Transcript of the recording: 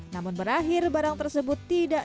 namun berakhir barang tersebut tidak